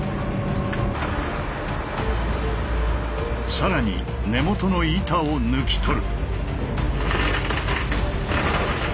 更に根元の板を抜き取る。